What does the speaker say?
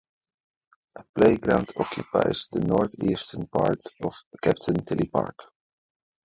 A playground occupies the northeastern part of Captain Tilly Park.